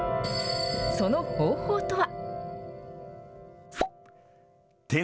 その方法とは。